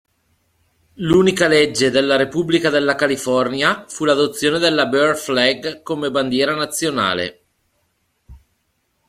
L'unica legge della Repubblica della California fu l'adozione della "Bear Flag" come bandiera nazionale.